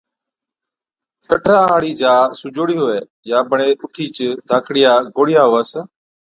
ڏَدرا هاڙِي جاءِ سُوجوڙِي هُوَي يان بڙي اُٺِيچ ڌاڪڙِيا گوڙهِيا هُوَس